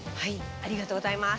ありがとうございます。